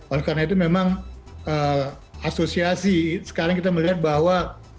oleh karena itu memang asosiasi sekarang kita melihat bahwa